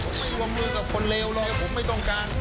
ผมไม่รวมมือกับคนเลวเลยผมไม่ต้องการ